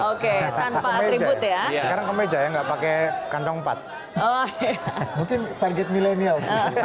oke tanpa tribut ya sekarang ke meja ya enggak pakai kantong empat mungkin target milenial